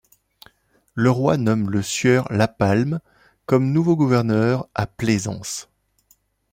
Le roi nomme le sieur La Palme comme nouveau gouverneur à Plaisance.